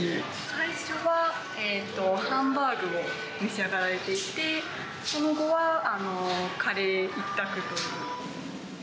最初はハンバーグを召し上がられていて、その後はカレー一択という。